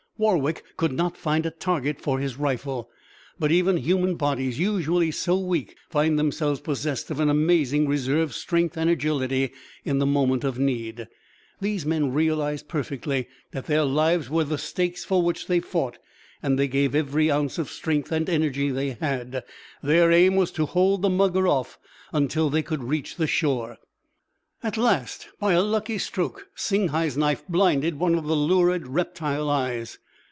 Warwick could not find a target for his rifle. But even human bodies, usually so weak, find themselves possessed of an amazing reserve strength and agility in the moment of need. These men realized perfectly that their lives were the stakes for which they fought, and they gave every ounce of strength and energy they had. Their aim was to hold the mugger off until they could reach the shore. At last, by a lucky stroke, Singhai's knife blinded one of the lurid reptile eyes.